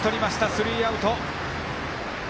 スリーアウト。